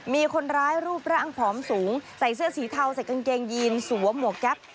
มีคนร้ายรูปร่างผอมสูงใส่เสื้อสีเทาใส่กางเกงยีนสวมหมวกแก๊ป